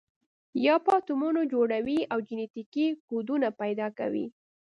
یا به اتمونه جوړوي او جنټیکي کوډونه پیدا کوي.